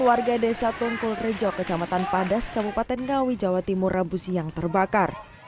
warga desa tungkul rejo kecamatan padas kabupaten ngawi jawa timur rabu siang terbakar